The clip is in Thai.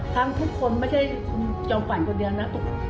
ทั้งทุกคนไม่ได้ยอมฝันคนเดียวนะ